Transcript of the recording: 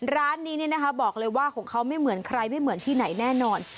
ร้านนี้บอกเลยว่าของเขาไม่เหมือนใครไม่เหมือนที่ไหนแน่นอน